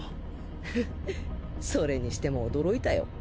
フフッそれにしても驚いたよ。